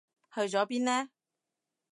去咗邊呢？